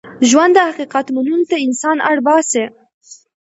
ژوند د حقیقت منلو ته انسان اړ باسي.